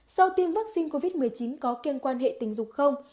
sau tiêm vaccine covid một mươi chín có kiêng quan hệ tình dục không